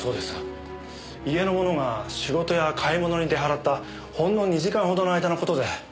家の者が仕事や買い物に出払ったほんの２時間ほどの間の事で。